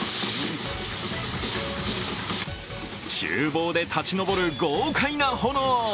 ちゅう房で立ち上る豪快な炎。